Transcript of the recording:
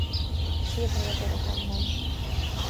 Sírhelye Dorogon van.